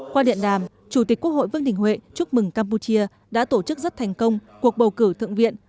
qua điện đàm chủ tịch quốc hội vương đình huệ chúc mừng campuchia đã tổ chức rất thành công cuộc bầu cử thượng viện